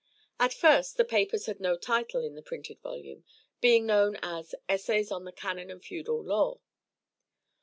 At first the papers had no title in the printed volume, being known as "Essays on the Canon and Feudal Law."